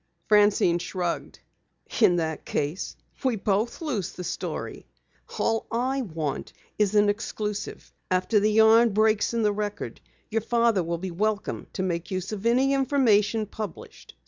Francine shrugged. "In that case we both lose the story. All I want is an exclusive. After the yarn breaks in the Record, your father will be welcome to make use of any information published.